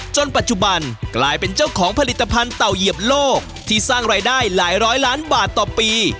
จนปัจจุบันกลายเป็นเจ้าของผลิตภัณฑ์เต่าเหยียบโลกที่สร้างรายได้หลายร้อยล้านบาทต่อปี